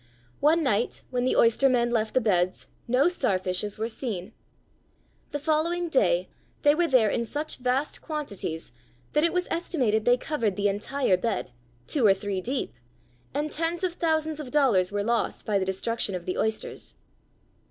One night when the oyster men left the beds no starfishes were seen. The following day they were there in such vast quantities that it was estimated they covered the entire bed, two or three deep, and tens of thousands of dollars were lost by the destruction of the oysters.